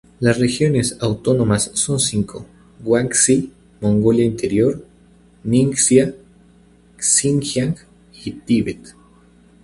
Las regiones autónomas son cinco: Guangxi, Mongolia Interior, Ningxia, Xinjiang y Tíbet.